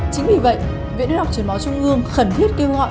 chính vì vậy viện đức đọc chuyển máu trung hương khẩn thiết kêu gọi